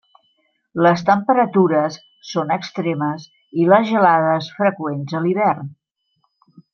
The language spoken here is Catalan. Les temperatures són extremes, i les gelades freqüents a l'hivern.